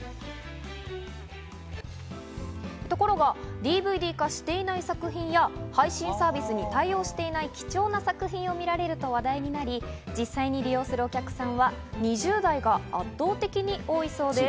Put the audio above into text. ところがＤＶＤ化していない作品や配信サービスに対応していない貴重な作品を見られると話題になり、実際に利用するお客さんは２０代が圧倒的に多いそうです。